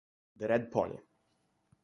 The Red Pony